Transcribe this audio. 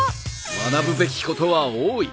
学ぶべきことは多い。